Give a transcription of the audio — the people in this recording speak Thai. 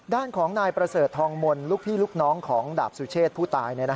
ด้านของนายประเสริฐทองมนต์ลูกพี่ลูกน้องของดาบสุเชษผู้ตาย